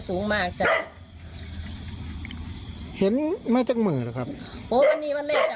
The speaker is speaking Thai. สุนัขข้างหลังมันมาช่วยคอนเฟิร์มเลยนะ